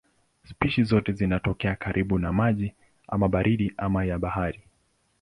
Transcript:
Spishi zote zinatokea karibu na maji ama baridi ama ya bahari.